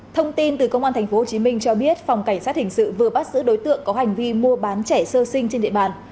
thông tin từ công an tp hcm cho biết phòng cảnh sát hình sự vừa bắt giữ đối tượng có hành vi mua bán trẻ sơ sinh trên địa bàn